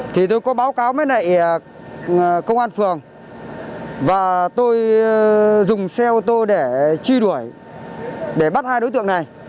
thì tôi có báo cáo với nại công an phường và tôi dùng xe ô tô để truy đuổi để bắt hai đối tượng này